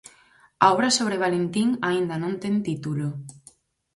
A obra sobre Valentín aínda non ten título.